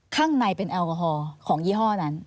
ข้างในเป็นแอลกอฮอล์ของยี่ห้อนั้น